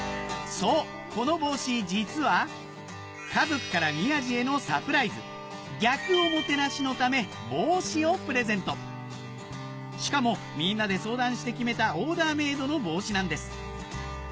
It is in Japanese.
そうこの帽子実は家族から宮治へのサプライズ逆おもてなしのため帽子をプレゼントしかもみんなで相談して決めたオーダーメイドの帽子なんです